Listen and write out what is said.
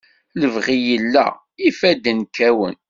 Lebɣi yella, ifadden kkawen.